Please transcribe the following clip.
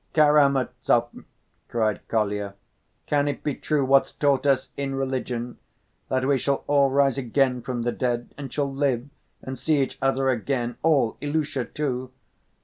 "Karamazov," cried Kolya, "can it be true what's taught us in religion, that we shall all rise again from the dead and shall live and see each other again, all, Ilusha too?"